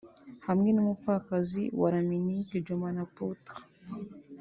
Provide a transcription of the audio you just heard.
hamwe n’umupfakazi wa Ramnik Jobanputra